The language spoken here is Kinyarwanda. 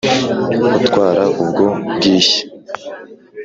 utwara ubwo bwishya :